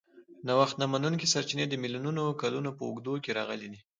نوښت نه منونکي سرچینې د میلیونونو کالونو په اوږدو کې راغلي دي.